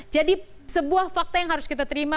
jadi sebuah fakta yang harus kita terima